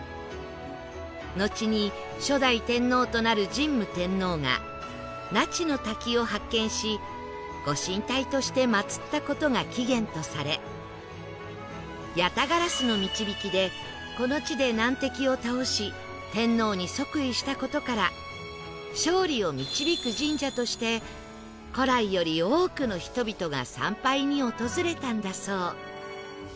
のちに初代天皇となる神武天皇が那智の滝を発見しご神体として祭った事が起源とされ八咫烏の導きでこの地で難敵を倒し天皇に即位した事から勝利を導く神社として古来より多くの人々が参拝に訪れたんだそう